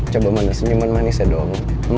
coba mana senyuman manisnya dong